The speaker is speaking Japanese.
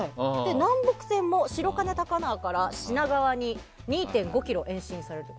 南北線も白金高輪から品川に２．５ｋｍ延伸される。